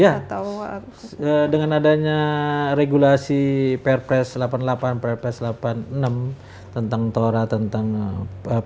ya dengan adanya regulasi perpres delapan puluh delapan perpres delapan puluh enam tentang tora tentang pp